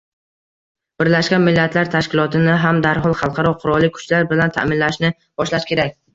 Birlashgan Millatlar Tashkilotini ham darhol xalqaro qurolli kuchlar bilan ta’minlashni boshlash kerak